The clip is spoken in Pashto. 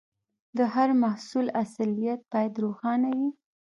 د هر محصول اصليت باید روښانه وي.